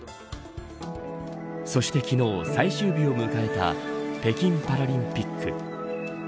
そして、昨日、最終日を迎えた北京パラリンピック。